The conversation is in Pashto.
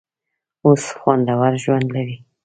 اوس خوندور ژوند لري.